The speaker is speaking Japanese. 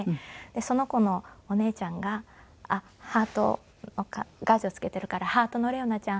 その子のお姉ちゃんがハートのガーゼを付けてるからハートのレオナちゃん